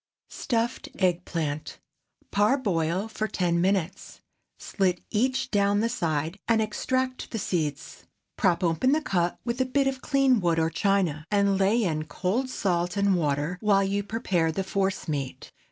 STUFFED EGG PLANT. ✠ Parboil for ten minutes. Slit each down the side, and extract the seeds. Prop open the cut with a bit of clean wood or china, and lay in cold salt and water while you prepare the force meat.